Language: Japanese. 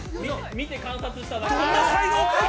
見て観察しただけある。